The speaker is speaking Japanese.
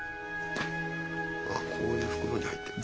あっこういう袋に入ってるんだ。